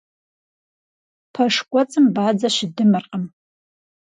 Пэш кӀуэцӀым бадзэ щыдымыркъым.